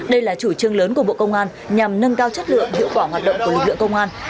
đây là chủ trương lớn của bộ công an nhằm nâng cao chất lượng hiệu quả hoạt động của lực lượng công an